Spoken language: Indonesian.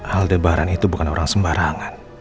aldebaran itu bukan orang sembarangan